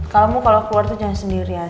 kalau mau keluar tuh jangan sendirian